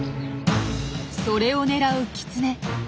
それを狙うキツネ。